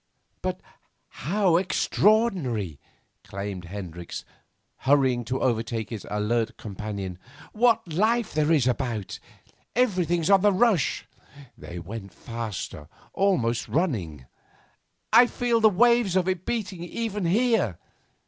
'But how extraordinary!' exclaimed Hendricks, hurrying to overtake his alert companion; 'what life there is about! Everything's on the rush.' They went faster, almost running. 'I feel the waves of it beating even here.